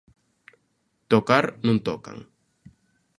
Tocar non tocan...